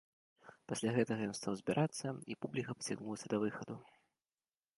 Пасля гэтага ён стаў збірацца і публіка пацягнулася да выхаду.